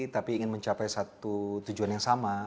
tapi ingin mencapai satu tujuan yang sama